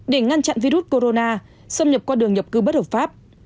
để ngăn chặn virus corona xâm nhập qua đường nhập cư bất hợp pháp